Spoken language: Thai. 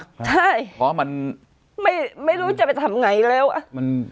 ใช่เพราะว่ามันไม่ไม่รู้จะไปทำไงแล้วอ่ะมัน